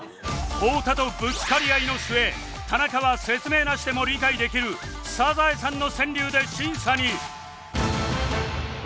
太田とぶつかり合いの末田中は説明なしでも理解できるサザエさんの川柳で審査に